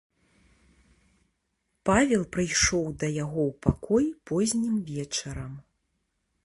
Павел прыйшоў да яго ў пакой познім вечарам.